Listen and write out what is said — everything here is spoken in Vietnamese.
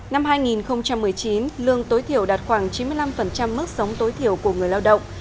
năm hai nghìn một mươi chín lương tối thiểu đạt khoảng chín mươi năm mức sống tối thiểu của người lao động